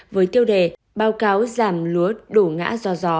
với tiêu đề báo cáo giảm lúa đổ ngã do gió